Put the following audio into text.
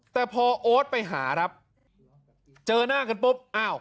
แต่พอโอ๊ตไปหาครับเจอหน้ากันปุ๊บอ้าว